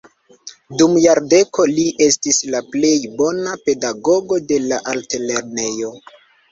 Dum jardekoj li estis la plej bona pedagogo de la altlernejo.